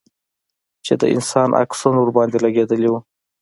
چې د انسان عکسونه ورباندې لگېدلي وو.